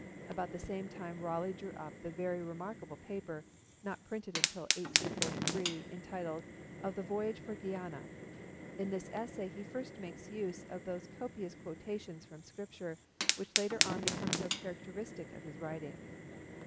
About the same time Raleigh drew up the very remarkable paper, not printed until 1843, entitled Of the Voyage for Guiana. In this essay he first makes use of those copious quotations from Scripture which later on became so characteristic of his writing.